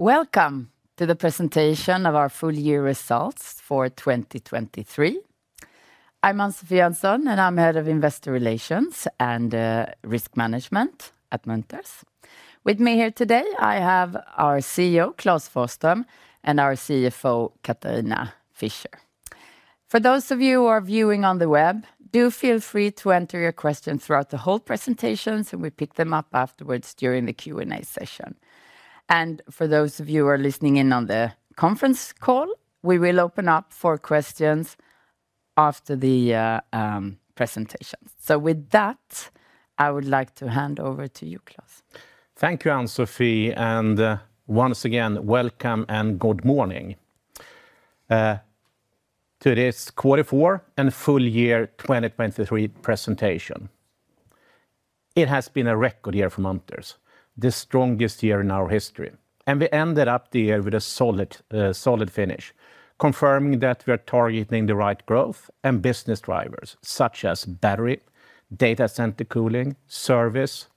Welcome to the Presentation of our Full Year Results for 2023. I'm Ann-Sofi Jönsson, and I'm Head of Investor Relations and Risk Management at Munters. With me here today, I have our CEO, Klas Forsström, and our CFO, Katharina Fischer. For those of you who are viewing on the web, do feel free to enter your questions throughout the whole presentation, and we pick them up afterwards during the Q&A session. For those of you who are listening in on the conference call, we will open up for questions after the presentation. With that, I would like to hand over to you, Klas. Thank you, Ann-Sofi, and once again, welcome and good morning to this Quarter Four and Full Year 2023 presentation. It has been a record year for Munters, the strongest year in our history, and we ended up the year with a solid finish, confirming that we are targeting the right growth and business drivers, such as battery, data center cooling, service,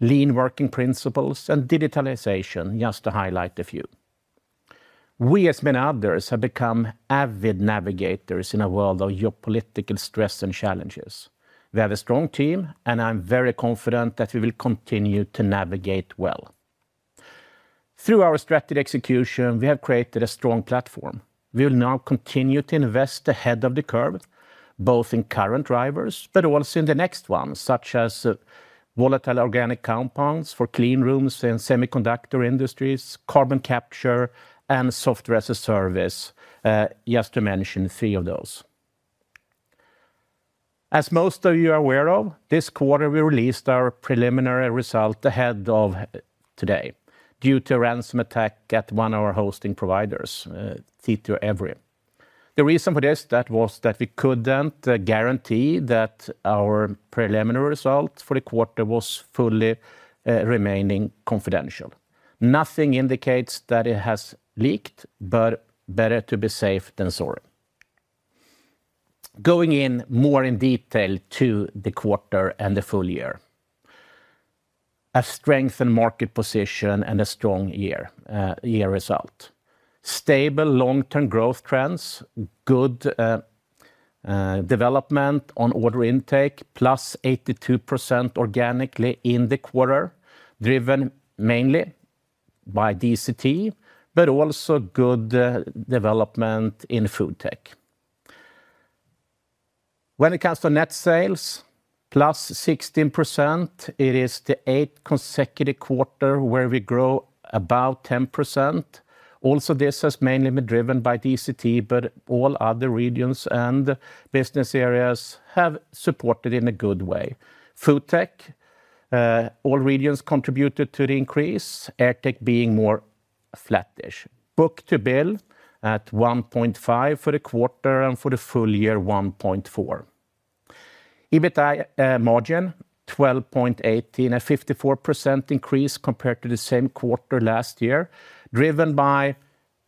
lean working principles, and digitalization, just to highlight a few. We, as many others, have become avid navigators in a world of geopolitical stress and challenges. We have a strong team, and I'm very confident that we will continue to navigate well. Through our strategic execution, we have created a strong platform. We'll now continue to invest ahead of the curve, both in current drivers, but also in the next ones, such as volatile organic compounds for clean rooms and semiconductor industries, carbon capture, and software as a service, just to mention three of those. As most of you are aware of, this quarter, we released our preliminary result ahead of today, due to a ransomware attack at one of our hosting providers, Tietoevry. The reason for this was that we couldn't guarantee that our preliminary result for the quarter was fully remaining confidential. Nothing indicates that it has leaked, but better to be safe than sorry. Going into more detail on the quarter and the full year: a strengthened market position and a strong year result. Stable long-term growth trends, good development on order intake, +82% organically in the quarter, driven mainly by DCT, but also good development in FoodTech. When it comes to net sales, +16%, it is the eighth consecutive quarter where we grow about 10%. Also, this has mainly been driven by DCT, but all other regions and business areas have supported in a good way. FoodTech, all regions contributed to the increase, AirTech being more flattish. Book to Bill at 1.5 for the quarter, and for the full year, 1.4. EBITA margin, 12.8%, and a 54% increase compared to the same quarter last year, driven by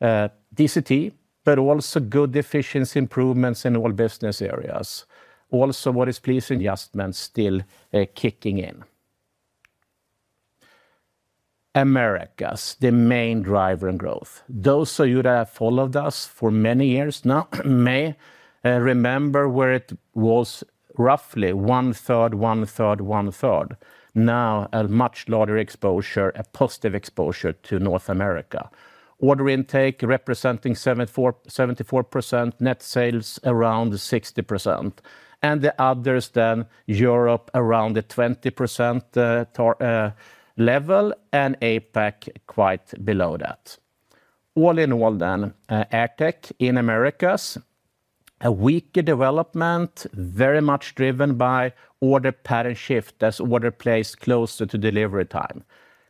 DCT, but also good efficiency improvements in all business areas. Also, what is pleasing, adjustments still kicking in. Americas, the main driver in growth. Those of you that have followed us for many years now may remember where it was roughly one third, one third, one third. Now, a much larger exposure, a positive exposure to North America. Order intake representing 74, 74%, net sales around 60%, and the others, then, Europe, around the 20%, level, and APAC, quite below that. All in all, then, AirTech in Americas, a weaker development, very much driven by order pattern shift as order plays closer to delivery time.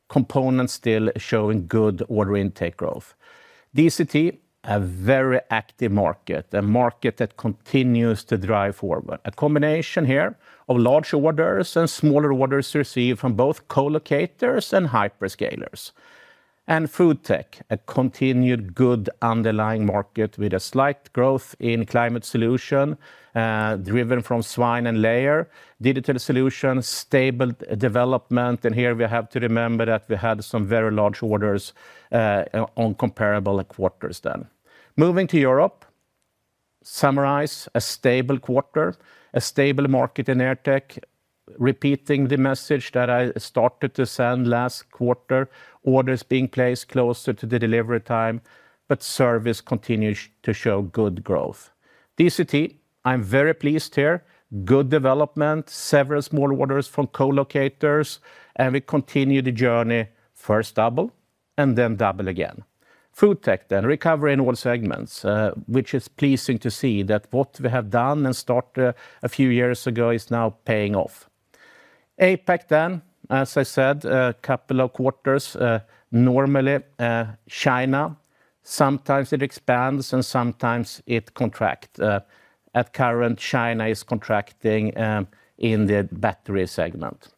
Components still showing good order intake growth. DCT, a very active market, a market that continues to drive forward. A combination here of large orders and smaller orders received from both co-locators and hyperscalers. And FoodTech, a continued good underlying market with a slight growth in climate solution, driven from swine and layer. Digital solutions, stable development, and here we have to remember that we had some very large orders on comparable quarters then. Moving to Europe, summarize, a stable quarter, a stable market in AirTech, repeating the message that I started to send last quarter, orders being placed closer to the delivery time, but service continues to show good growth. DCT, I'm very pleased here. Good development, several small orders from co-locators, and we continue the journey, first double, and then double again. FoodTech, then, recovery in all segments, which is pleasing to see that what we have done and start a few years ago is now paying off. APAC, then, as I said, a couple of quarters, normally, China, sometimes it expands, and sometimes it contract. At current, China is contracting in the battery segment.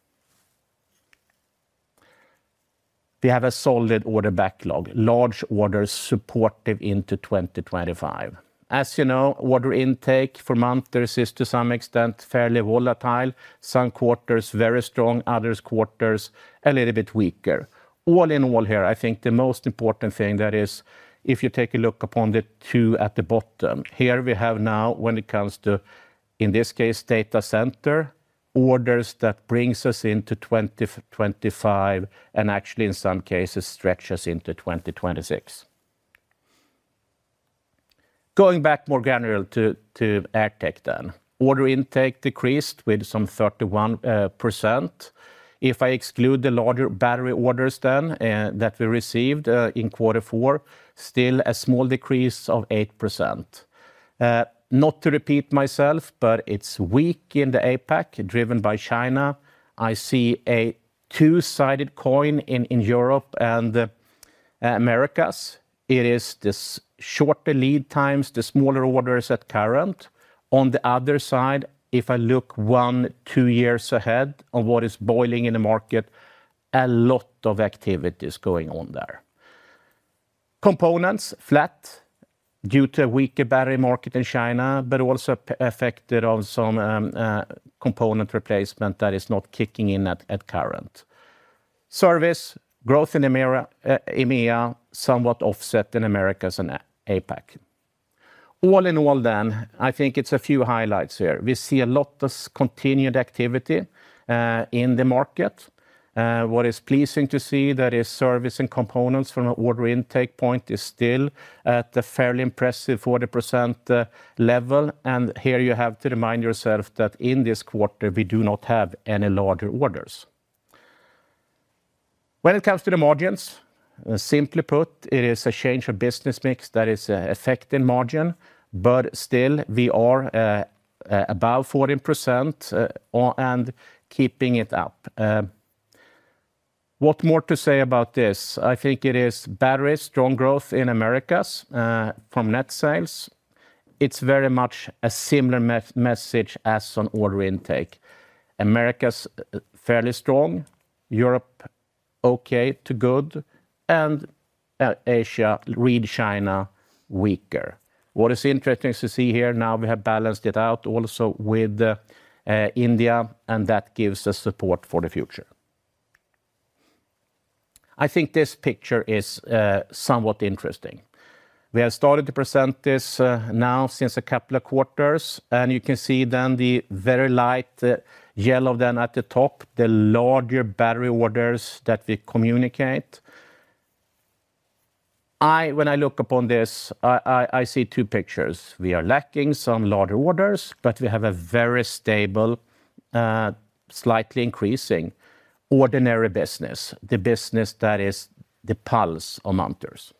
We have a solid order backlog, large orders supportive into 2025. As you know, order intake for months, there is, to some extent, fairly volatile. Some quarters very strong, other quarters a little bit weaker. All in all, here, I think the most important thing, that is, if you take a look upon the two at the bottom. Here, we have now, when it comes to, in this case, data center, orders that brings us into 2025, and actually, in some cases, stretches into 2026. Going back more granular to AirTech then. Order intake decreased with some 31%. If I exclude the larger battery orders then that we received in quarter four, still a small decrease of 8%. Not to repeat myself, but it's weak in the APAC, driven by China. I see a two-sided coin in Europe and Americas. It is this shorter lead times, the smaller orders at current. On the other side, if I look one, two years ahead on what is boiling in the market, a lot of activity is going on there. Components, flat due to a weaker battery market in China, but also affected of some component replacement that is not kicking in at current. Service, growth in Americas, EMEA, somewhat offset in Americas and APAC. All in all then, I think it's a few highlights here. We see a lot of continued activity in the market. What is pleasing to see, that is service and components from an order intake point is still at a fairly impressive 40% level. Here you have to remind yourself that in this quarter, we do not have any larger orders. When it comes to the margins, simply put, it is a change of business mix that is affecting margin, but still, we are above 14%, and keeping it up. What more to say about this? I think it is battery, strong growth in Americas, from net sales. It's very much a similar message as on order intake. Americas, fairly strong. Europe, okay to good, and Asia, read China, weaker. What is interesting to see here, now we have balanced it out also with India, and that gives us support for the future. I think this picture is somewhat interesting. We have started to present this now since a couple of quarters, and you can see then the very light yellow then at the top, the larger battery orders that we communicate. When I look upon this, I see two pictures. We are lacking some larger orders, but we have a very stable, slightly increasing ordinary business, the business that is the pulse of Munters.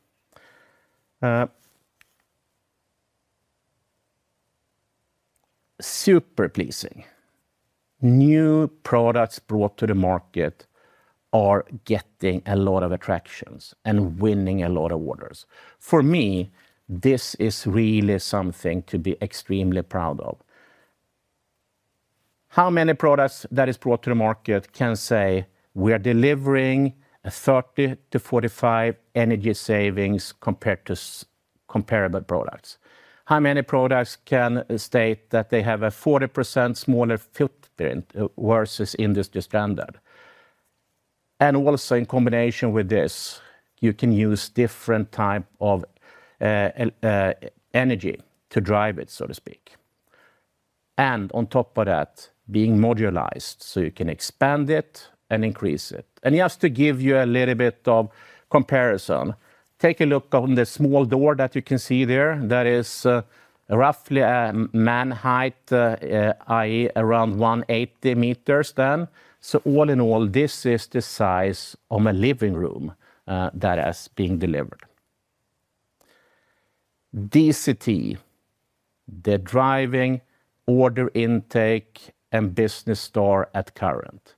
Super pleasing. New products brought to the market are getting a lot of attractions and winning a lot of orders. For me, this is really something to be extremely proud of. How many products that is brought to the market can say, "We are delivering a 30-45 energy savings compared to comparable products?" How many products can state that they have a 40% smaller footprint versus industry standard? And also, in combination with this, you can use different type of energy to drive it, so to speak. And on top of that, being modularized, so you can expand it and increase it. And just to give you a little bit of comparison, take a look on the small door that you can see there. That is, roughly, man height, i.e., around 180 meters then. So all in all, this is the size of a living room, that is being delivered. DCT, the driving order intake and business star at current.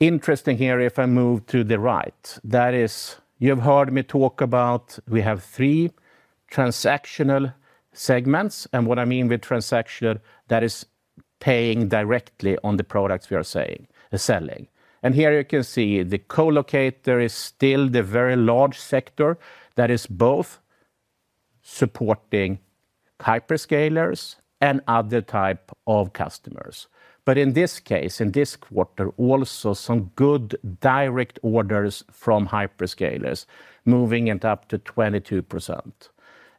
Interesting here, if I move to the right, that is, you have heard me talk about we have three transactional segments, and what I mean with transactional, that is paying directly on the products we are saying, selling. Here you can see the co-locator is still the very large sector that is both supporting hyperscalers and other type of customers. But in this case, in this quarter, also some good direct orders from hyperscalers, moving it up to 22%.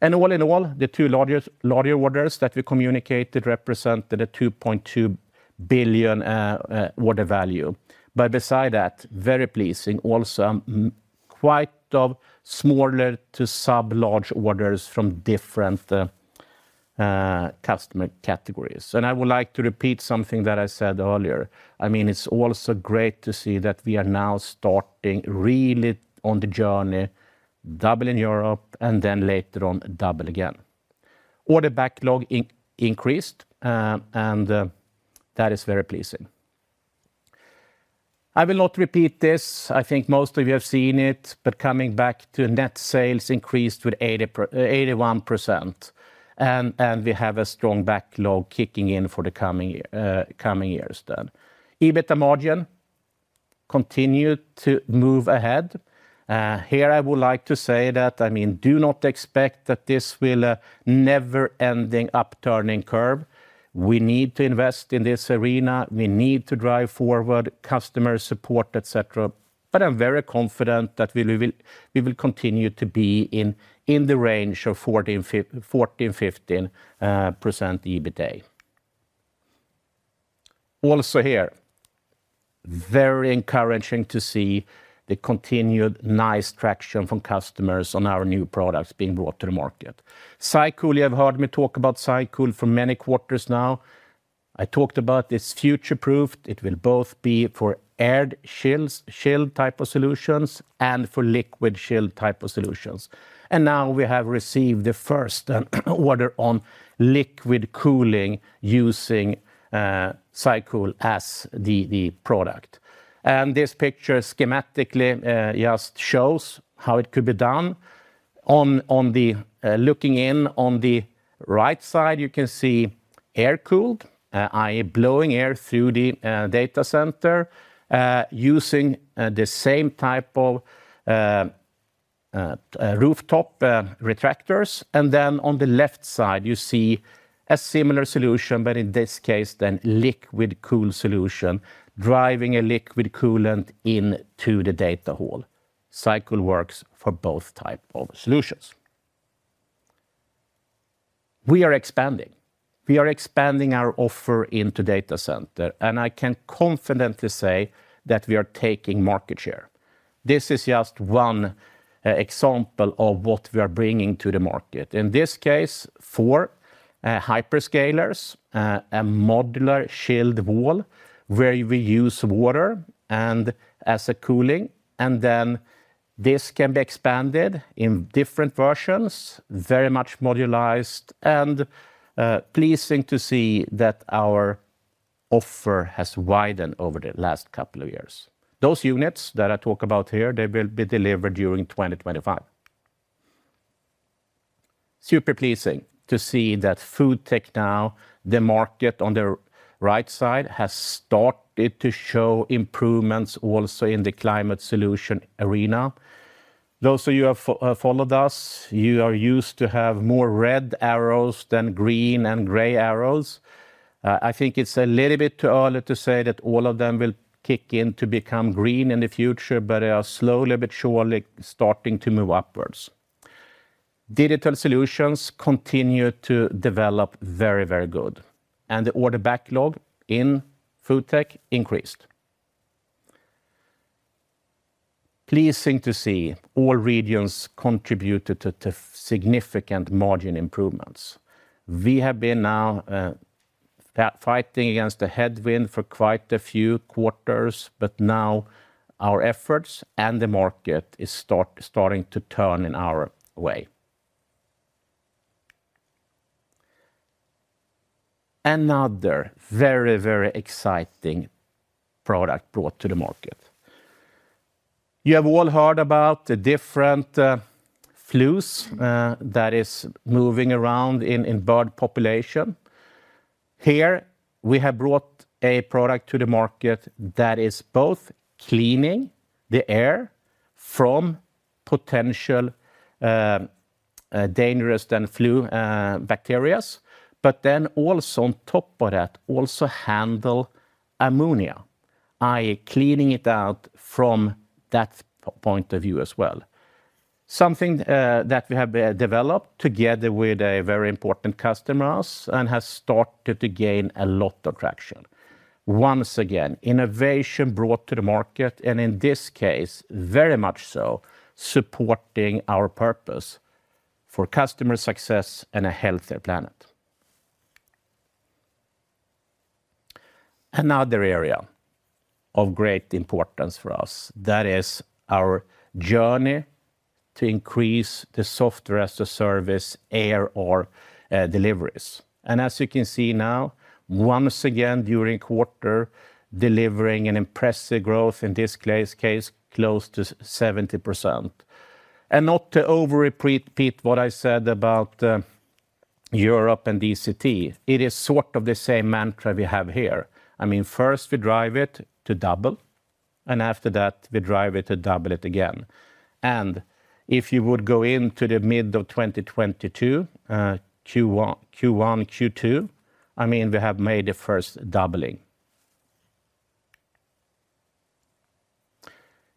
And all in all, the two largest larger orders that we communicated represented a 2.2 billion order value. But beside that, very pleasing, also, quite of smaller to sub-large orders from different customer categories. And I would like to repeat something that I said earlier. I mean, it's also great to see that we are now starting really on the journey, double in Europe, and then later on, double again. Order backlog increased, and that is very pleasing. I will not repeat this. I think most of you have seen it, but coming back to net sales increased with 81%, and we have a strong backlog kicking in for the coming year, coming years then. EBITA margin continues to move ahead. Here I would like to say that, I mean, do not expect that this will a never-ending upturning curve. We need to invest in this arena. We need to drive forward customer support, et cetera. But I'm very confident that we will continue to be in the range of 14%-15% EBITA. Also here, very encouraging to see the continued nice traction from customers on our new products being brought to the market. SyCool, you have heard me talk about SyCool for many quarters now. I talked about it's future-proofed. It will both be for air shields-shield type of solutions and for liquid shield type of solutions. And now we have received the first order on liquid cooling using SyCool as the product. And this picture schematically just shows how it could be done. On the right side, looking in, you can see air-cooled, i.e., blowing air through the data center using the same type of rooftop retractors. And then on the left side, you see a similar solution, but in this case, then liquid-cooled solution, driving a liquid coolant into the data hall. SyCool works for both type of solutions. We are expanding. We are expanding our offer into data center, and I can confidently say that we are taking market share. This is just one example of what we are bringing to the market. In this case, for hyperscalers, a modular shield wall, where we use water and as a cooling, and then this can be expanded in different versions, very much modularized, and pleasing to see that our offer has widened over the last couple of years. Those units that I talk about here, they will be delivered during 2025. Super pleasing to see that FoodTech now, the market on the right side, has started to show improvements also in the climate solution arena. Those of you have followed us, you are used to have more red arrows than green and gray arrows. I think it's a little bit too early to say that all of them will kick in to become green in the future, but they are slowly but surely starting to move upwards. Digital solutions continue to develop very, very good, and the order backlog in FoodTech increased. Pleasing to see all regions contributed to significant margin improvements. We have been now fighting against the headwind for quite a few quarters, but now our efforts and the market is starting to turn in our way. Another very, very exciting product brought to the market. You have all heard about the different flus that is moving around in bird population. Here, we have brought a product to the market that is both cleaning the air from potential dangerous pathogens, influenza bacteria, but then also on top of that, also handle ammonia, i.e., cleaning it out from that point of view as well. Something that we have developed together with a very important customers and has started to gain a lot of traction. Once again, innovation brought to the market, and in this case, very much so, supporting our purpose: for customer success and a healthier planet. Another area of great importance for us, that is our journey to increase the software as a service, ARR or deliveries. And as you can see now, once again, during quarter, delivering an impressive growth, in this case close to 70%. Not to over repeat what I said about Europe and DCT, it is sort of the same mantra we have here. I mean, first, we drive it to double, and after that, we drive it to double it again. If you would go into the mid of 2022, Q1, Q2, I mean, we have made the first doubling.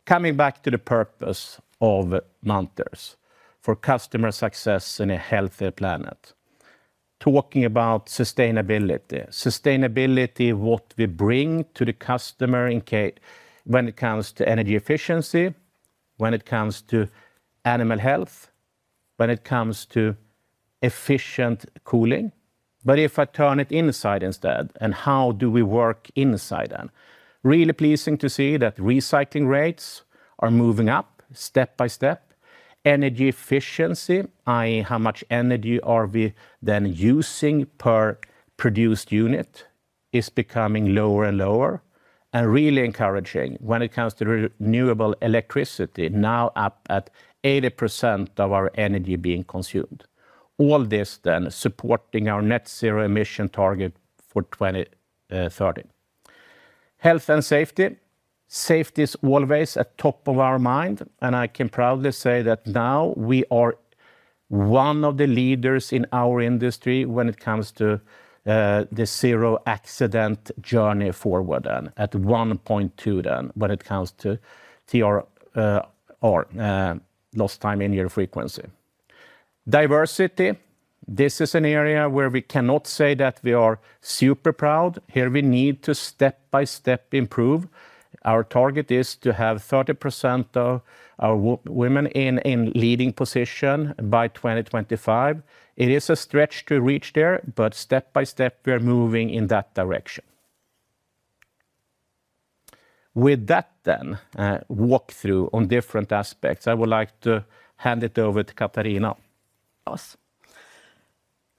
Coming back to the purpose of Munters, for customer success and a healthier planet. Talking about sustainability, what we bring to the customer when it comes to energy efficiency, when it comes to animal health, when it comes to efficient cooling. But if I turn it inside instead, and how do we work inside then? Really pleasing to see that recycling rates are moving up step by step. Energy efficiency, i.e., how much energy are we then using per produced unit, is becoming lower and lower, and really encouraging when it comes to renewable electricity, now up at 80% of our energy being consumed. All this then supporting our net zero emission target for 2030. Health and safety. Safety is always at top of our mind, and I can proudly say that now we are one of the leaders in our industry when it comes to the zero accident journey forward, and at 1.2 then, when it comes to TRIR or lost time injury frequency. Diversity, this is an area where we cannot say that we are super proud. Here we need to step-by-step improve. Our target is to have 30% of our women in leading position by 2025. It is a stretch to reach there, but step by step we are moving in that direction. With that, then, walkthrough on different aspects, I would like to hand it over to Katharina. Of course.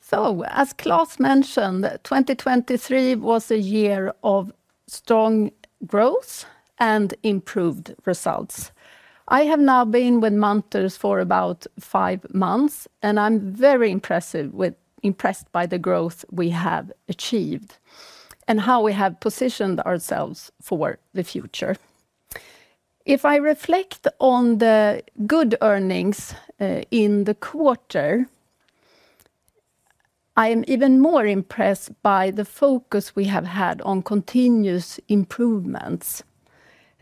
So as Klas mentioned, 2023 was a year of strong growth and improved results. I have now been with Munters for about five months, and I'm very impressed by the growth we have achieved, and how we have positioned ourselves for the future. If I reflect on the good earnings in the quarter, I am even more impressed by the focus we have had on continuous improvements,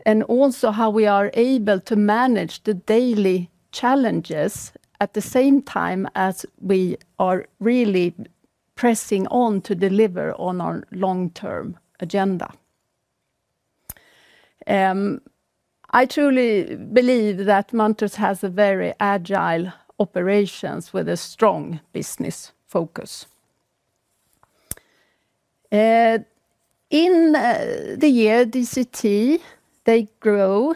and also how we are able to manage the daily challenges, at the same time as we are really pressing on to deliver on our long-term agenda. I truly believe that Munters has a very agile operations with a strong business focus. In the year DCT, they grow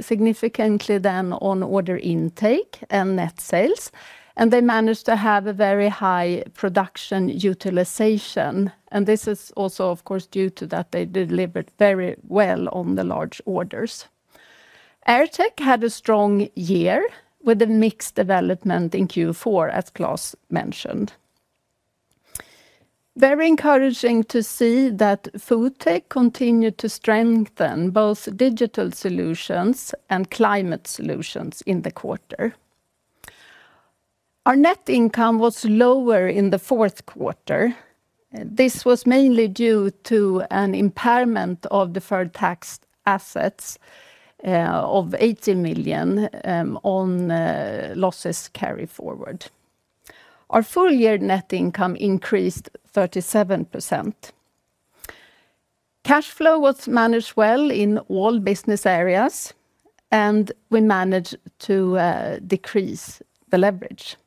significantly then on order intake and net sales, and they managed to have a very high production utilization, and this is also, of course, due to that they delivered very well on the large orders. AirTech had a strong year with a mixed development in Q4, as Klas mentioned. Very encouraging to see that FoodTech continued to strengthen both digital solutions and climate solutions in the quarter. Our net income was lower in the fourth quarter. This was mainly due to an impairment of deferred tax assets of 18 million on losses carry forward. Our full year net income increased 37%. Cash flow was managed well in all business areas, and we managed to decrease the leverage.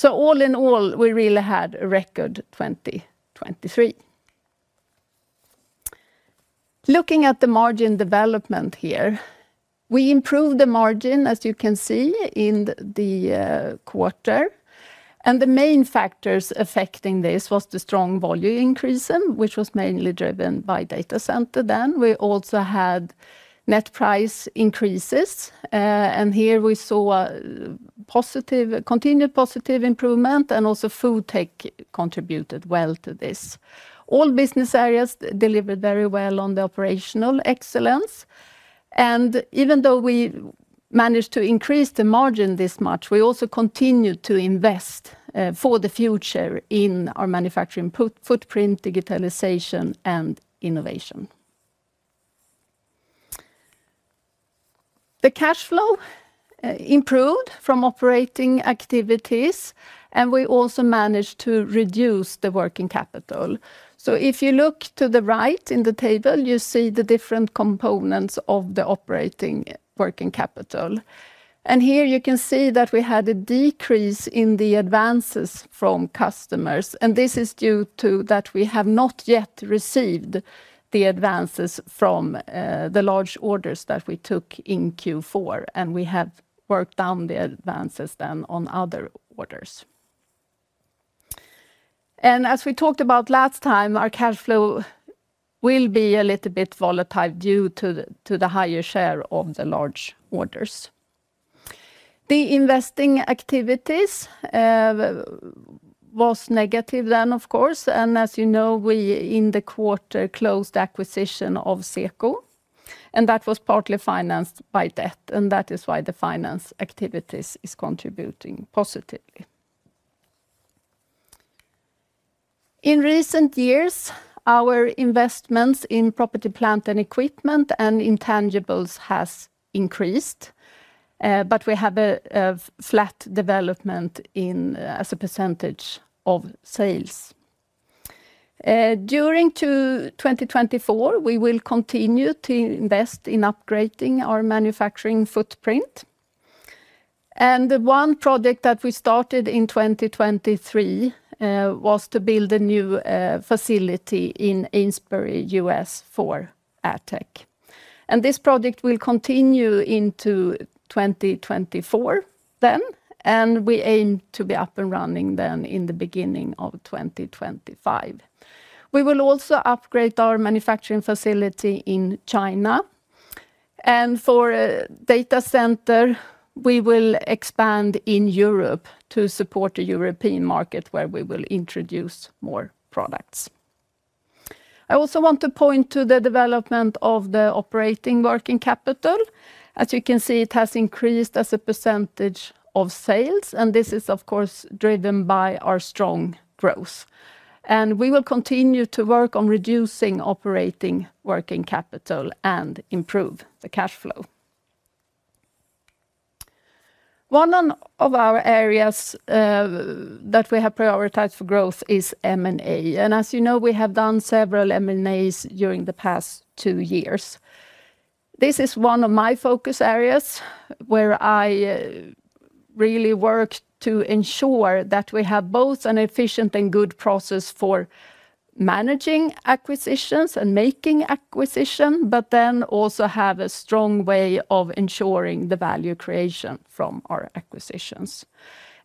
So all in all, we really had a record 2023. Looking at the margin development here, we improved the margin, as you can see, in the quarter, and the main factors affecting this was the strong volume increase, which was mainly driven by data center then. We also had net price increases, and here we saw a positive, continued positive improvement, and also FoodTech contributed well to this. All business areas delivered very well on the operational excellence, and even though we managed to increase the margin this much, we also continued to invest for the future in our manufacturing footprint, digitalization, and innovation. The cash flow improved from operating activities, and we also managed to reduce the working capital. So if you look to the right in the table, you see the different components of the Operating Working Capital. Here you can see that we had a decrease in the advances from customers, and this is due to that we have not yet received the advances from the large orders that we took in Q4, and we have worked down the advances then on other orders. As we talked about last time, our cash flow will be a little bit volatile due to the higher share of the large orders. The investing activities was negative then, of course, and as you know, we in the quarter closed acquisition of Zeco, and that was partly financed by debt, and that is why the finance activities is contributing positively. In recent years, our investments in property, plant, and equipment, and intangibles has increased, but we have a flat development in as a percentage of sales. Into 2024, we will continue to invest in upgrading our manufacturing footprint. The one project that we started in 2023 was to build a new facility in Amesbury, U.S., for AirTech. This project will continue into 2024 then, and we aim to be up and running then in the beginning of 2025. We will also upgrade our manufacturing facility in China. For data center, we will expand in Europe to support the European market, where we will introduce more products. I also want to point to the development of the Operating Working Capital. As you can see, it has increased as a percentage of sales, and this is, of course, driven by our strong growth. We will continue to work on reducing Operating Working Capital and improve the cash flow. One of our areas, that we have prioritized for growth is M&A, and as you know, we have done several M&As during the past two years. This is one of my focus areas, where I, really work to ensure that we have both an efficient and good process for managing acquisitions and making acquisition, but then also have a strong way of ensuring the value creation from our acquisitions.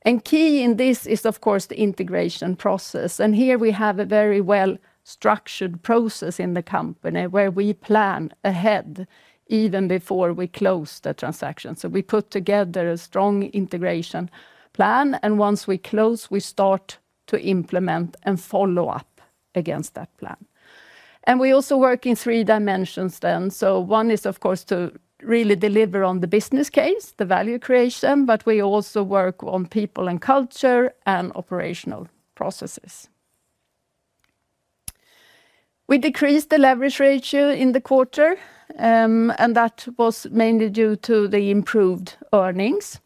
And key in this is, of course, the integration process, and here we have a very well-structured process in the company, where we plan ahead even before we close the transaction. So we put together a strong integration plan, and once we close, we start to implement and follow up against that plan. And we also work in three dimensions then. So one is, of course, to really deliver on the business case, the value creation, but we also work on people and culture and operational processes. We decreased the leverage ratio in the quarter, and that was mainly due to the improved earnings.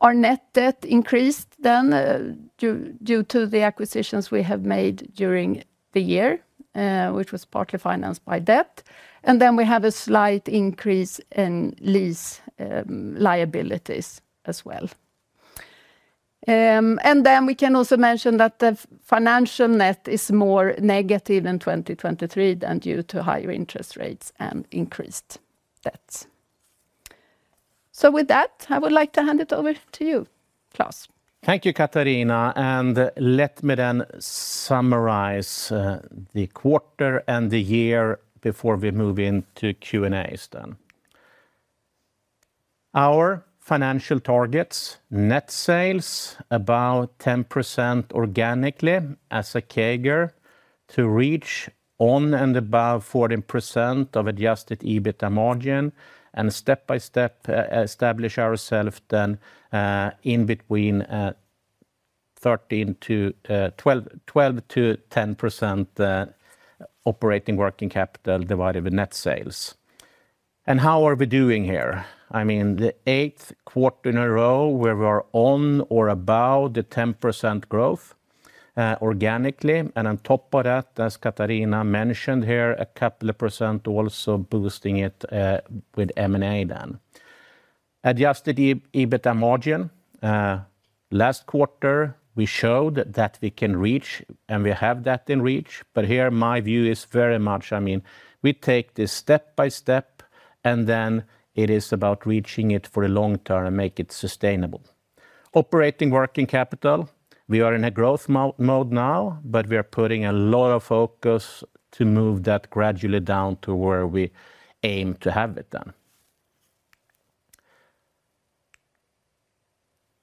Our net debt increased then, due to the acquisitions we have made during the year, which was partly financed by debt, and then we have a slight increase in lease, liabilities as well. And then we can also mention that the financial net is more negative in 2023 than due to higher interest rates and increased debts. So with that, I would like to hand it over to you, Klas. Thank you, Katharina, and let me then summarize the quarter and the year before we move into Q&As then. Our financial targets, net sales, about 10% organically as a CAGR to reach on and above 14% of adjusted EBITA margin, and step-by-step establish ourself then in between 13%-12%, 12%-10% operating working capital divided by net sales. And how are we doing here? I mean, the 8th quarter in a row where we are on or about the 10% growth organically, and on top of that, as Katharina mentioned here, a couple of percent also boosting it with M&A then. Adjusted EBITA margin, last quarter, we showed that we can reach, and we have that in reach, but here my view is very much, I mean, we take this step by step, and then it is about reaching it for the long term and make it sustainable. Operating working capital, we are in a growth mode now, but we are putting a lot of focus to move that gradually down to where we aim to have it then.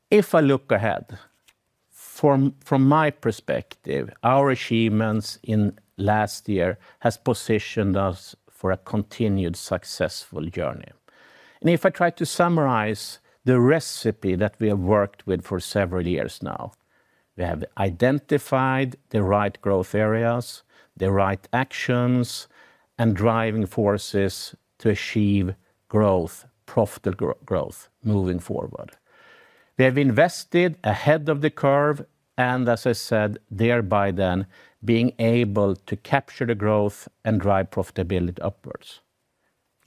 If I look ahead, from my perspective, our achievements in last year has positioned us for a continued successful journey. If I try to summarize the recipe that we have worked with for several years now, we have identified the right growth areas, the right actions, and driving forces to achieve growth, profitable growth moving forward. We have invested ahead of the curve, and as I said, thereby then, being able to capture the growth and drive profitability upwards.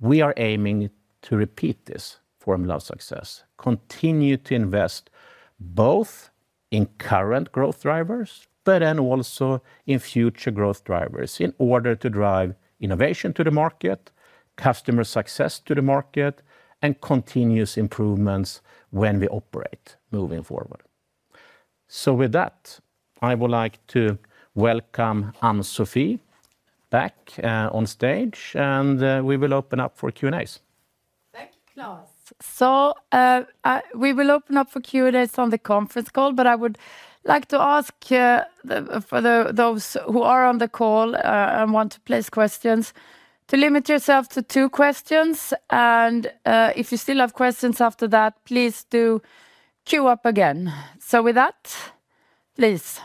We are aiming to repeat this formula of success, continue to invest, both in current growth drivers, but then also in future growth drivers, in order to drive innovation to the market, customer success to the market, and continuous improvements when we operate moving forward. So with that, I would like to welcome Ann-Sofi back on stage, and we will open up for Q&As. Thank you, Klas. So, we will open up for Q&As on the conference call, but I would like to ask those who are on the call and want to place questions to limit yourself to two questions, and if you still have questions after that, please do queue up again. So with that, please.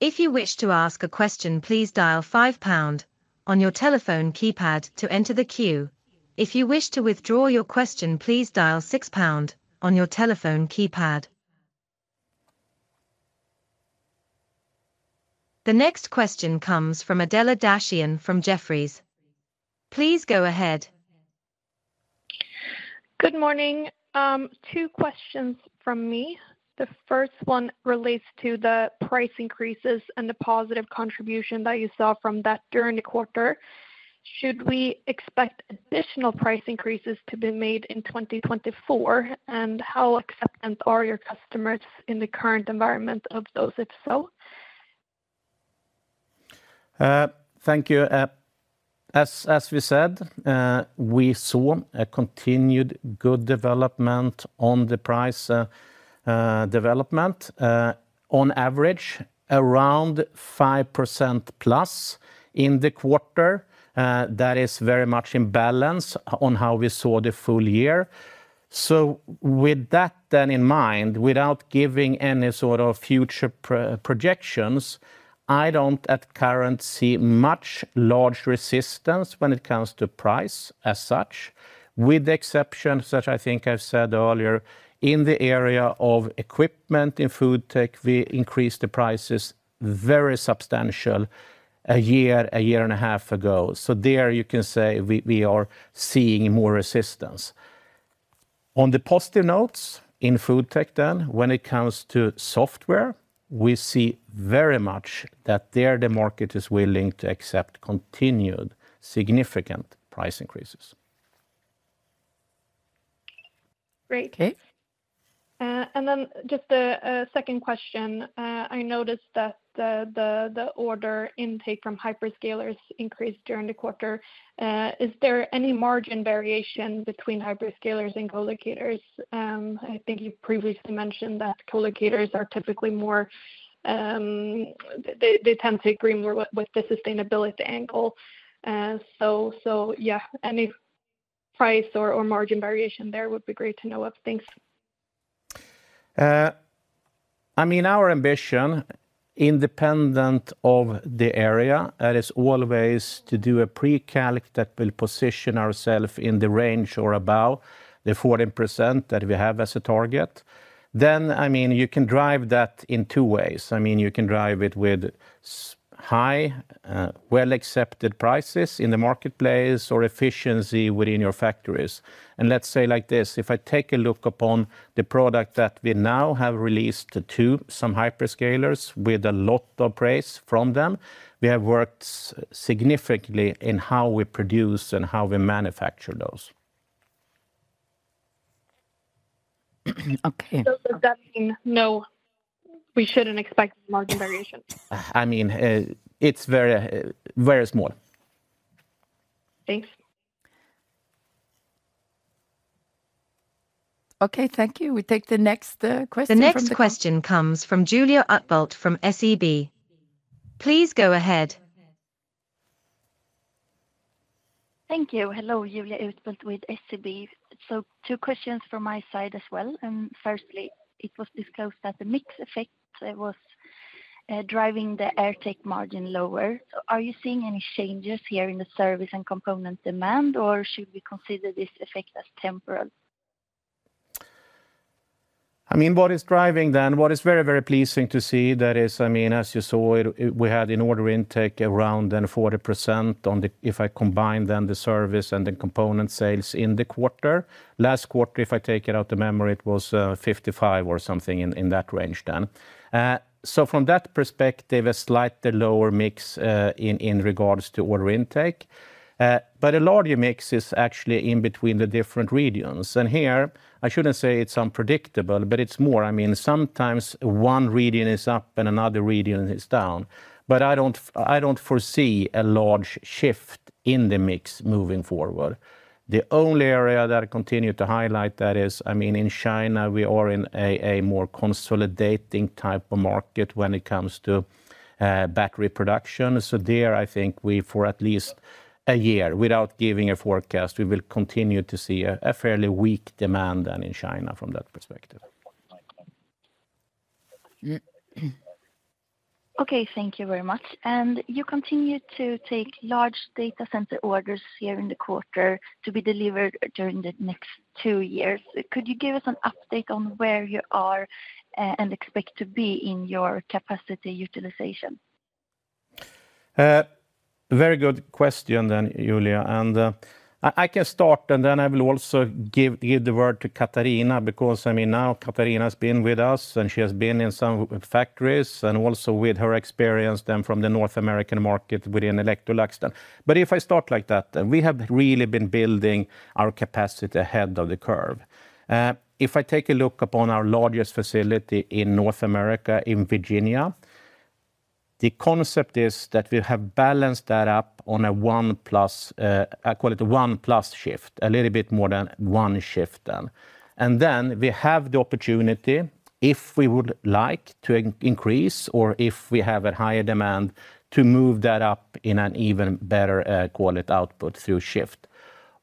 If you wish to ask a question, please dial five # on your telephone keypad to enter the queue. If you wish to withdraw your question, please dial six # on your telephone keypad. The next question comes from Adela Dashian from Jefferies. Please go ahead. Good morning. Two questions from me. The first one relates to the price increases and the positive contribution that you saw from that during the quarter. Should we expect additional price increases to be made in 2024? And how accepting are your customers in the current environment of those, if so? Thank you. As we said, we saw a continued good development on the price development. On average, around five percent plus in the quarter. That is very much in balance on how we saw the full year. So with that in mind, without giving any sort of future projections, I don't currently see much large resistance when it comes to price as such, with the exception, as I think I've said earlier, in the area of equipment in FoodTech, we increased the prices very substantially a year, a year and a half ago. So there you can say we are seeing more resistance. On the positive notes, in FoodTech then, when it comes to software, we see very much that the market is willing to accept continued significant price increases. Great. Okay. And then just a second question. I noticed that the order intake from hyperscalers increased during the quarter. Is there any margin variation between hyperscalers and co-locators? I think you previously mentioned that co-locators are typically more, they tend to agree more with the sustainability angle. So yeah, any price or margin variation there would be great to know of. Thanks. I mean, our ambition, independent of the area, that is always to do a pre-calc that will position ourselves in the range or above the 14% that we have as a target. Then, I mean, you can drive that in two ways. I mean, you can drive it with high, well-accepted prices in the marketplace or efficiency within your factories. And let's say like this, if I take a look upon the product that we now have released to some hyperscalers with a lot of praise from them, we have worked significantly in how we produce and how we manufacture those. Okay. Does that mean no, we shouldn't expect margin variations? I mean, it's very, very small. Thanks. Okay, thank you. We take the next question from the- The next question comes from Julia Utbult from SEB. Please go ahead. Thank you. Hello, Julia Utbult with SEB. So two questions from my side as well. Firstly, it was discussed that the mix effect, it was, driving the AirTech margin lower. Are you seeing any changes here in the service and component demand, or should we consider this effect as temporal? I mean, what is driving then, what is very, very pleasing to see, that is, I mean, as you saw, it, we had an order intake around 40% on the-- If I combine then the service and the component sales in the quarter. Last quarter, if I take it out the memory, it was, 55 or something in, in that range then. So from that perspective, a slightly lower mix, in regards to order intake. But a larger mix is actually in between the different regions. And here, I shouldn't say it's unpredictable, but it's more, I mean, sometimes one region is up and another region is down. But I don't foresee a large shift in the mix moving forward. The only area that I continue to highlight that is, I mean, in China, we are in a more consolidating type of market when it comes to battery production. So there, I think we, for at least a year, without giving a forecast, we will continue to see a fairly weak demand then in China from that perspective. Okay, thank you very much. You continue to take large data center orders here in the quarter to be delivered during the next two years. Could you give us an update on where you are and expect to be in your capacity utilization? Very good question, Julia. I can start, and then I will also give the word to Katharina, because, I mean, now Katharina has been with us, and she has been in some factories, and also with her experience then from the North American market within Electrolux then. But if I start like that, then we have really been building our capacity ahead of the curve. If I take a look upon our largest facility in North America, in Virginia, the concept is that we have balanced that up on a one-plus, I call it a one-plus shift, a little bit more than one shift then. And then we have the opportunity, if we would like to increase or if we have a higher demand, to move that up in an even better output through shift.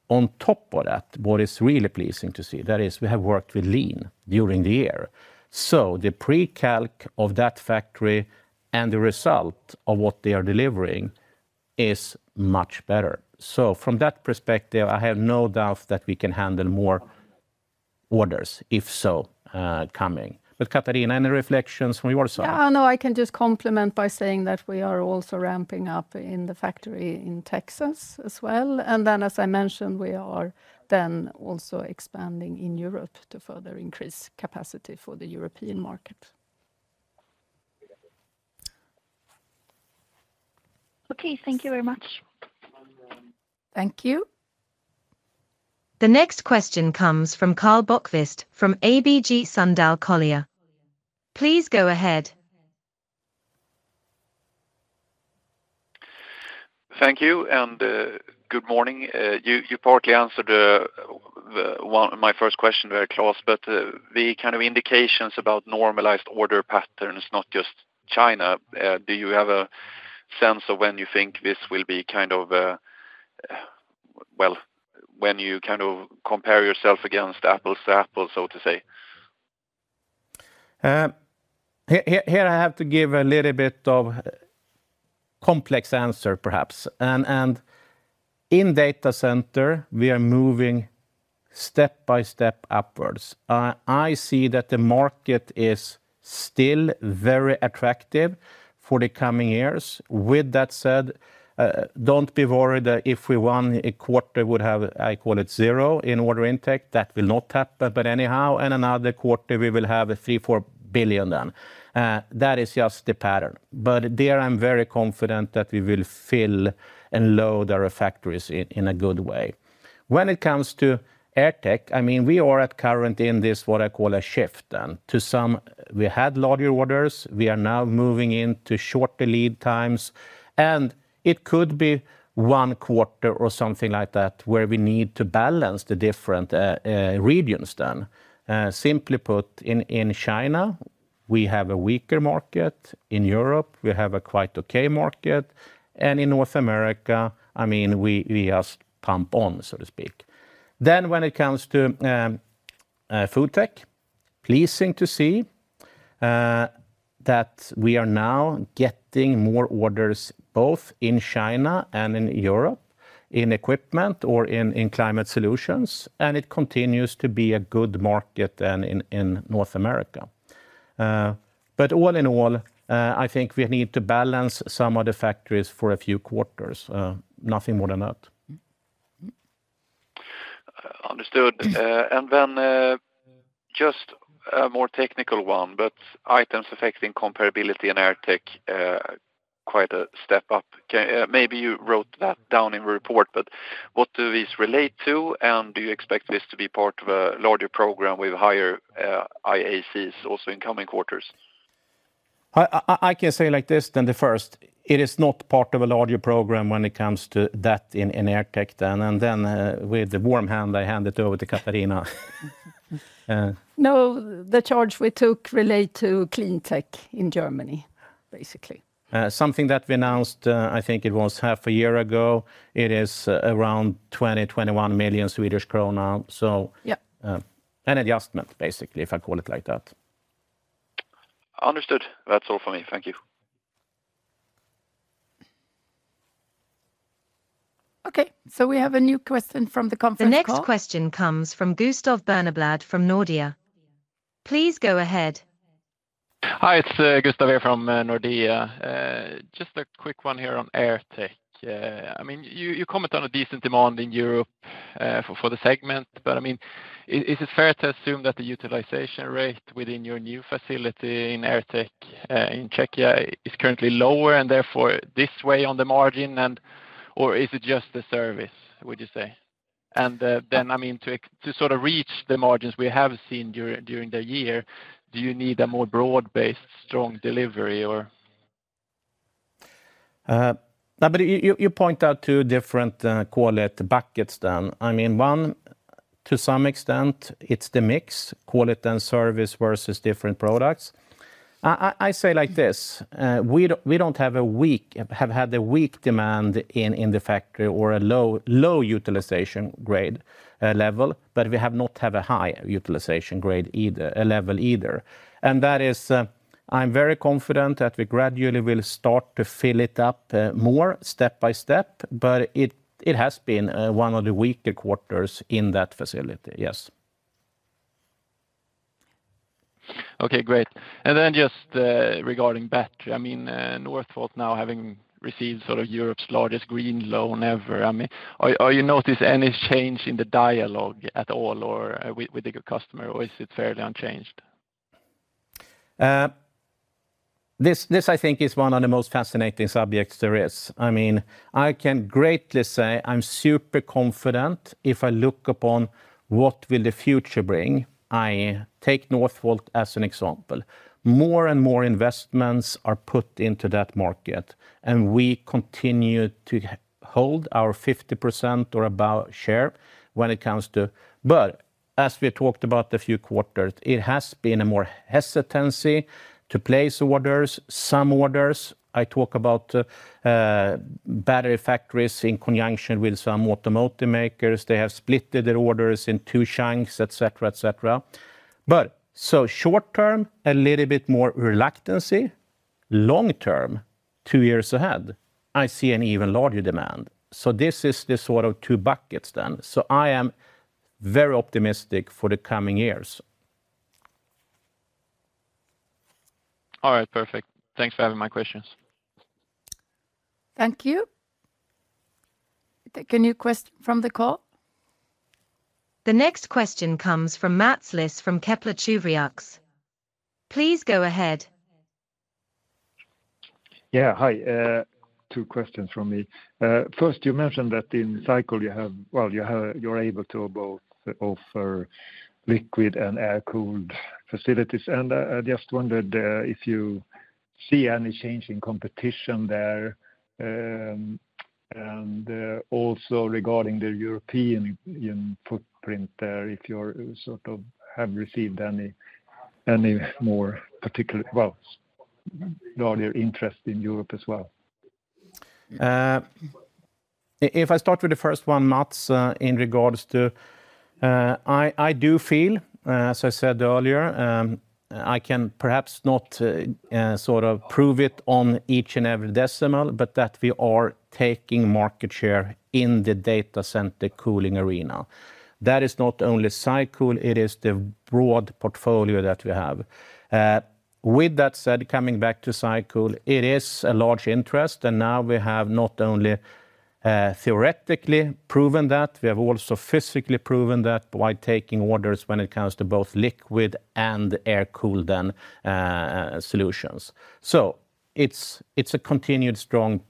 On top of that, what is really pleasing to see, that is we have worked with Lean during the year. So the pre-calc of that factory and the result of what they are delivering is much better. So from that perspective, I have no doubt that we can handle more orders, if so, coming. But Katharina, any reflections from your side? Yeah, no, I can just complement by saying that we are also ramping up in the factory in Texas as well. And then, as I mentioned, we are then also expanding in Europe to further increase capacity for the European market. Okay, thank you very much. Thank you. The next question comes from Karl Bokvist from ABG Sundal Collier. Please go ahead. Thank you, and good morning. You partly answered the one—my first question very close, but the kind of indications about normalized order patterns, not just China, do you have a sense of when you think this will be kind of, well, when you kind of compare yourself against apples to apples, so to say? Here, here, here I have to give a little bit of complex answer, perhaps. And in data center, we are moving step by step upwards. I see that the market is still very attractive for the coming years. With that said, don't be worried that if we won a quarter would have, I call it, zero in order intake, that will not happen. But anyhow, in another quarter, we will have a 3 billion-4 billion then. That is just the pattern. But there, I'm very confident that we will fill and load our factories in a good way. When it comes to AirTech, I mean, we are currently in this, what I call a shift, then. To some, we had larger orders. We are now moving into shorter lead times, and it could be one quarter or something like that, where we need to balance the different regions then. Simply put, in China, we have a weaker market. In Europe, we have a quite okay market, and in North America, I mean, we just pump on, so to speak. Then when it comes to FoodTech, pleasing to see that we are now getting more orders, both in China and in Europe, in equipment or in climate solutions, and it continues to be a good market then in North America. But all in all, I think we need to balance some of the factories for a few quarters, nothing more than that. Understood. And then, just a more technical one, but items affecting comparability in AirTech, quite a step up. Can... maybe you wrote that down in the report, but what do these relate to, and do you expect this to be part of a larger program with higher IACs also in coming quarters? I can say like this, then the first, it is not part of a larger program when it comes to that in AirTech, then, and then, with the warm hand, I hand it over to Katharina. No, the charge we took relate to CleanTech in Germany, basically. Something that we announced, I think it was half a year ago. It is around 21 million Swedish krona. Yeah. An adjustment, basically, if I call it like that. Understood. That's all for me. Thank you. Okay, so we have a new question from the conference call. The next question comes from Gustav Berneblad from Nordea. Please go ahead. Hi, it's Gustav here from Nordea. Just a quick one here on AirTech. I mean, you comment on a decent demand in Europe for the segment, but I mean, is it fair to assume that the utilization rate within your new facility in AirTech in Czechia is currently lower, and therefore, this way on the margin? And or is it just the service, would you say? And then, I mean, to sort of reach the margins we have seen during the year, do you need a more broad-based, strong delivery or? No, but you point out two different, call it buckets, then. I mean, one, to some extent, it's the mix, call it, then service versus different products. I say like this: we don't have had a weak demand in the factory or a low utilization grade, level, but we have not have a high utilization grade either, level either. And that is, I'm very confident that we gradually will start to fill it up, more step by step, but it has been one of the weaker quarters in that facility, yes. Okay, great. And then just, regarding battery, I mean, Northvolt now having received sort of Europe's largest green loan ever, I mean, are you notice any change in the dialogue at all or with your customer, or is it fairly unchanged? This I think is one of the most fascinating subjects there is. I mean, I can greatly say I'm super confident if I look upon what will the future bring. I take Northvolt as an example. More and more investments are put into that market, and we continue to hold our 50% or above share when it comes to... But as we talked about the few quarters, it has been a more hesitancy to place orders. Some orders, I talk about, battery factories in conjunction with some automotive makers. They have splitted their orders in two chunks, et cetera, et cetera. But, so short term, a little bit more reluctancy. Long term, two years ahead, I see an even larger demand. So this is the sort of two buckets then. So I am very optimistic for the coming years. All right, perfect. Thanks for having my questions. Thank you. Can we take questions from the call? The next question comes from Mats Liss from Kepler Cheuvreux. Please go ahead. Yeah, hi. Two questions from me. First, you mentioned that in SyCool you have—well, you have—you're able to both offer liquid and air-cooled facilities, and I just wondered if you see any change in competition there. And also regarding the European footprint there, if you're, sort of, have received any more particular, well, larger interest in Europe as well. If I start with the first one, Mats, in regards to... I do feel, as I said earlier, I can perhaps not sort of prove it on each and every decimal, but that we are taking market share in the data center cooling arena. That is not only SyCool, it is the broad portfolio that we have. With that said, coming back to SyCool, it is a large interest, and now we have not only theoretically proven that, we have also physically proven that by taking orders when it comes to both liquid and air-cooled solutions. So it's a continued strong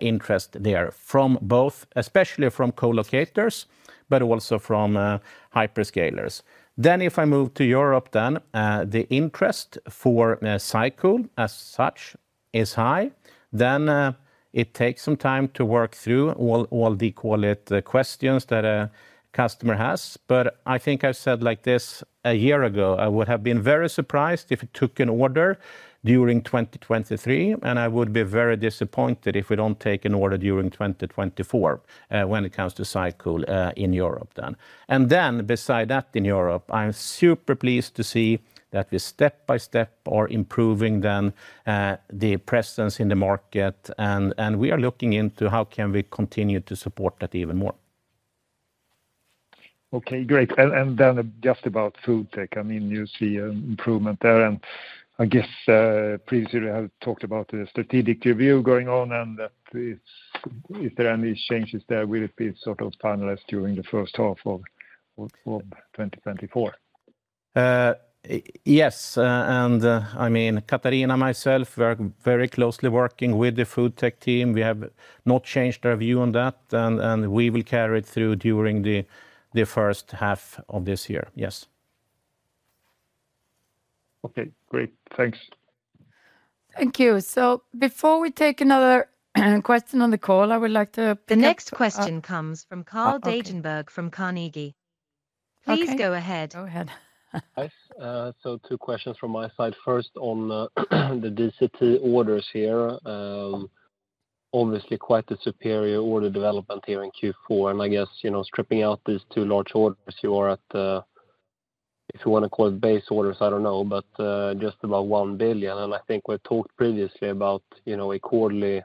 interest there from both, especially from co-locators, but also from hyperscalers. If I move to Europe, the interest for SyCool as such is high. Then, it takes some time to work through all, call it, the questions that a customer has. But I think I said like this a year ago, I would have been very surprised if it took an order during 2023, and I would be very disappointed if we don't take an order during 2024, when it comes to SyCool in Europe then. And then beside that, in Europe, I'm super pleased to see that we step by step are improving the presence in the market, and we are looking into how can we continue to support that even more. Okay, great. And then just about FoodTech, I mean, you see improvement there, and I guess, previously we have talked about the strategic review going on and that it's... If there are any changes there, will it be sort of finalized during the first half of 2024? Yes, and, I mean, Katharina, myself, we are very closely working with the FoodTech team. We have not changed our view on that, and we will carry it through during the first half of this year. Yes. Okay, great. Thanks. Thank you. Before we take another question on the call, I would like to pick up- The next question comes from - Okay... Carl Deijenberg from Carnegie. Okay. Please go ahead. Go ahead. Hi. So two questions from my side. First, on the DCT orders here. Obviously, quite the superior order development here in Q4, and I guess, you know, stripping out these two large orders, you are at, if you want to call it base orders, I don't know, but just about 1 billion. And I think we've talked previously about, you know, a quarterly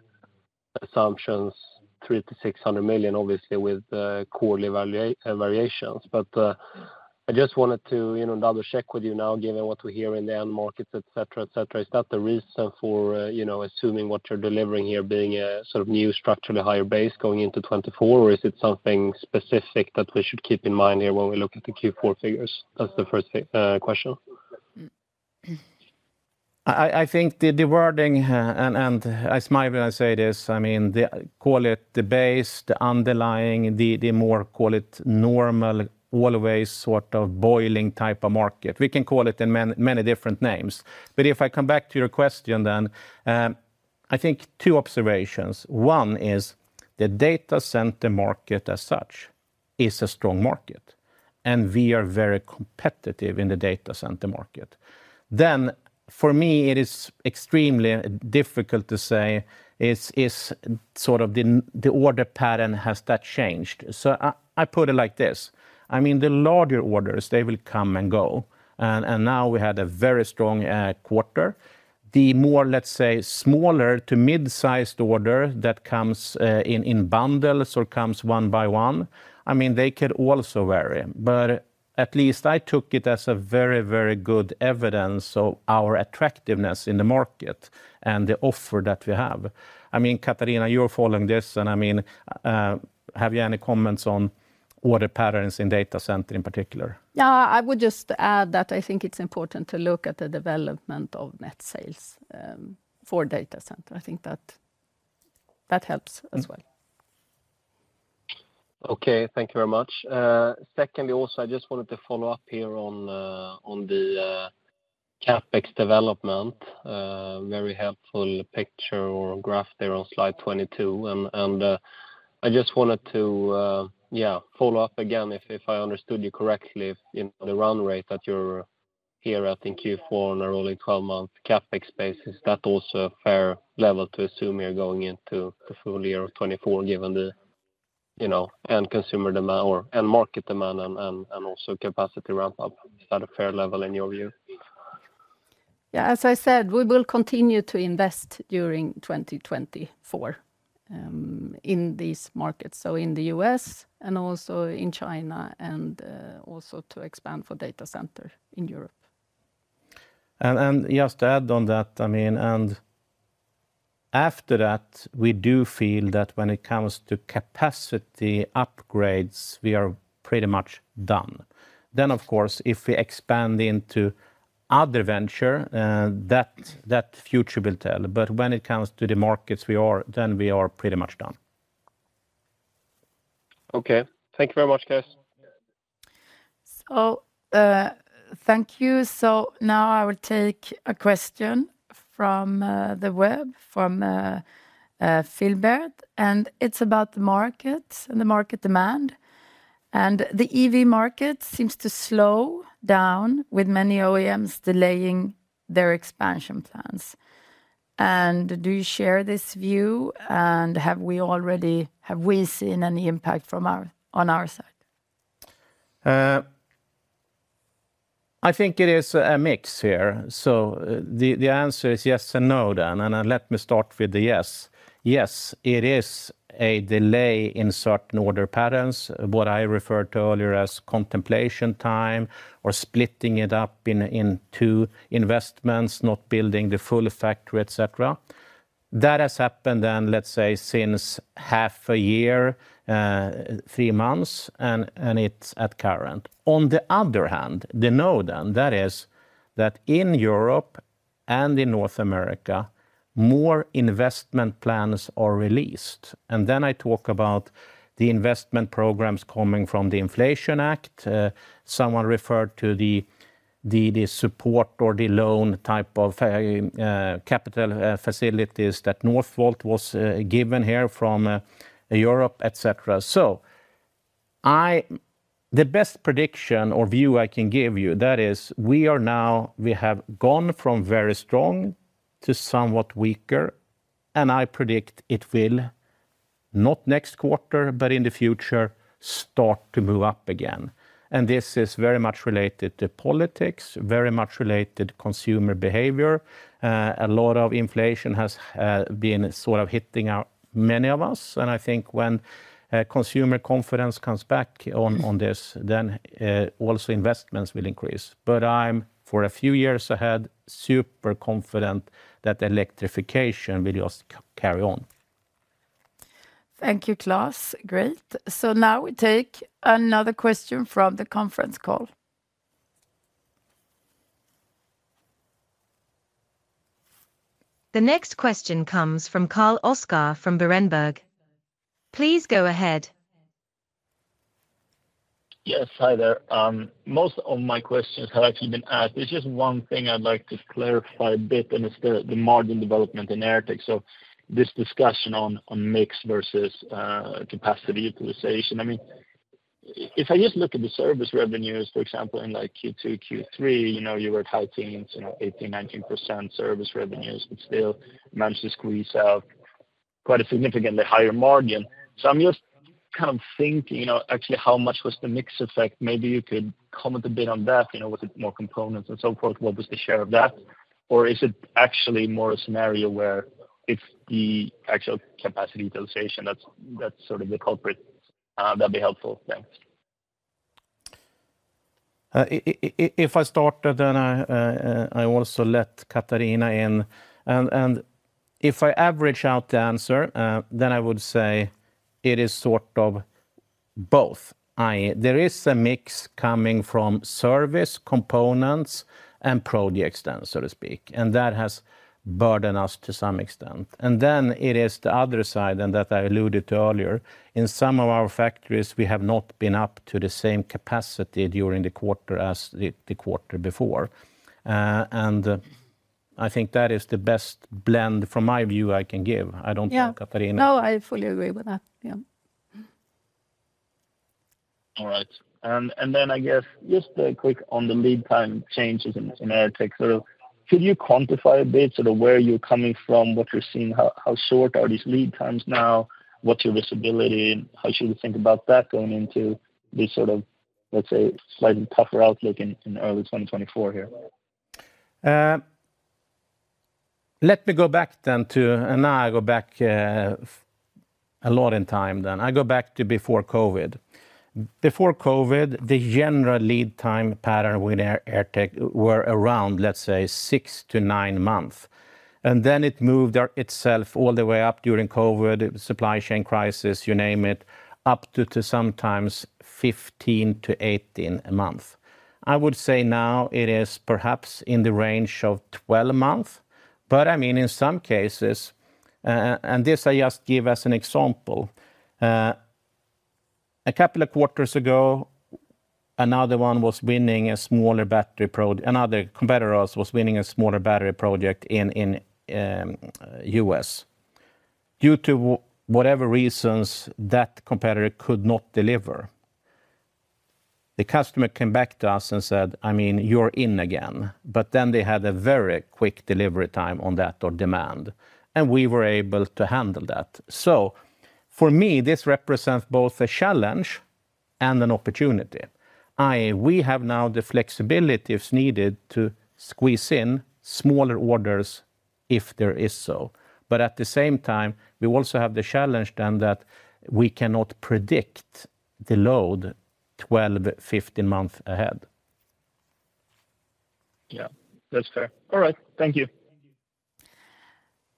assumptions, 300 million-600 million, obviously, with quarterly variations. But I just wanted to, you know, double-check with you now, given what we hear in the end markets, et cetera, et cetera. Is that the reason for, you know, assuming what you're delivering here, being a sort of new structurally higher base going into 2024? Or is it something specific that we should keep in mind here when we look at the Q4 figures? That's the first thing, question. I think the wording, and I smile when I say this, I mean, call it the base, the underlying, the more, call it, normal, always sort of boiling type of market. We can call it in many different names. But if I come back to your question, then, I think two observations. One is the data center market as such is a strong market, and we are very competitive in the data center market. Then for me, it is extremely difficult to say, is sort of the order pattern, has that changed? So I put it like this: I mean, the larger orders, they will come and go, and now we had a very strong quarter. The more, let's say, smaller to mid-sized order that comes in bundles or comes one by one, I mean, they could also vary. But at least I took it as a very, very good evidence of our attractiveness in the market and the offer that we have. I mean, Katharina, you're following this, and, I mean, have you any comments on order patterns in data center in particular? Yeah, I would just add that I think it's important to look at the development of net sales for data center. I think that helps as well. Okay, thank you very much. Secondly, also, I just wanted to follow up here on the CapEx development. Very helpful picture or graph there on slide 22, and I just wanted to, yeah, follow up again, if I understood you correctly, in the run rate that you're here, I think Q4 on a rolling twelve-month CapEx base, is that also a fair level to assume you're going into the full year of 2024, given the, you know, end consumer demand or end market demand and also capacity ramp up? Is that a fair level in your view? Yeah, as I said, we will continue to invest during 2024 in these markets, so in the U.S. and also in China, and also to expand for data center in Europe. And just to add on that, I mean, and after that, we do feel that when it comes to capacity upgrades, we are pretty much done. Then, of course, if we expand into other venture, that future will tell. But when it comes to the markets, then we are pretty much done. Okay. Thank you very much, guys. So, thank you. So now I will take a question from the web, from Filbert, and it's about the market and the market demand. And the EV market seems to slow down, with many OEMs delaying their expansion plans. And do you share this view, and have we seen any impact from our, on our side? I think it is a mix here. So, the answer is yes and no, then, and let me start with the yes. Yes, it is a delay in certain order patterns, what I referred to earlier as contemplation time or splitting it up in two investments, not building the full factory, etc. That has happened then, let's say, since half a year, three months, and it's current. On the other hand, the no, that is that in Europe and in North America, more investment plans are released. Then I talk about the investment programs coming from the Inflation Reduction Act. Someone referred to the support or the loan type of capital facilities that Northvolt was given here from Europe, etc. So the best prediction or view I can give you, that is we are now, we have gone from very strong to somewhat weaker, and I predict it will, not next quarter, but in the future, start to move up again. And this is very much related to politics, very much related consumer behavior. A lot of inflation has been sort of hitting out many of us, and I think when consumer confidence comes back on, on this, then also investments will increase. But I'm, for a few years ahead, super confident that electrification will just carry on. Thank you, Klas. Great. So now we take another question from the conference call. The next question comes from Carl Oscar from Berenberg. Please go ahead. Yes, hi there. Most of my questions have actually been asked. There's just one thing I'd like to clarify a bit, and it's the margin development in AirTech. So this discussion on mix versus capacity utilization. I mean, if I just look at the service revenues, for example, in, like, Q2, Q3, you know, you were high teens, you know, 18%-19% service revenues, but still managed to squeeze out quite a significantly higher margin. So I'm just kind of thinking, you know, actually, how much was the mix effect? Maybe you could comment a bit on that. You know, was it more components and so forth? What was the share of that? Or is it actually more a scenario where it's the actual capacity utilization that's sort of the culprit? That'd be helpful. Thanks. If I start, then I also let Katharina in. And if I average out the answer, then I would say it is sort of both. There is a mix coming from service, components, and project extent, so to speak, and that has burdened us to some extent. And then it is the other side, and that I alluded to earlier, in some of our factories, we have not been up to the same capacity during the quarter as the quarter before. And I think that is the best blend, from my view, I can give. I don't know, Katharina? No, I fully agree with that. Yeah. All right. And then, I guess, just quick on the lead time changes in AirTech. So could you quantify a bit sort of where you're coming from, what you're seeing, how short are these lead times now? What's your visibility, and how should we think about that going into this sort of, let's say, slightly tougher outlook in early 2024 here? Let me go back then to... Now I go back a lot in time then. I go back to before COVID. Before COVID, the general lead time pattern with AirTech were around, let's say, six to nine months, and then it moved itself all the way up during COVID, supply chain crisis, you name it, up to sometimes 15-18 months. I would say now it is perhaps in the range of 12 months, but I mean, in some cases, and this I just give as an example, a couple of quarters ago, another competitor was winning a smaller battery project in the U.S. Due to whatever reasons, that competitor could not deliver. The customer came back to us and said, "I mean, you're in again," but then they had a very quick delivery time on that, or demand, and we were able to handle that. So for me, this represents both a challenge and an opportunity, i.e., we have now the flexibility, if needed, to squeeze in smaller orders if there is so. But at the same time, we also have the challenge, then, that we cannot predict the load 12, 15 months ahead. Yeah, that's fair. All right. Thank you.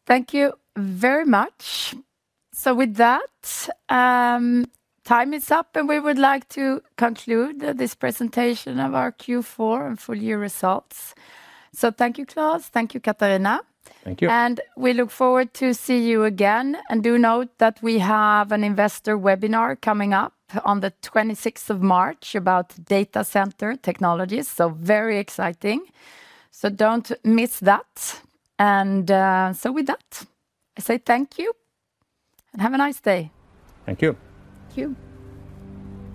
Thank you very much. So with that, time is up, and we would like to conclude this presentation of our Q4 and full year results. So thank you, Klas. Thank you, Katharina. Thank you. And we look forward to see you again, and do note that we have an investor webinar coming up on the twenty-sixth of March about Data Center Technologies, so very exciting. So don't miss that. And, so with that, I say thank you, and have a nice day. Thank you. Thank you.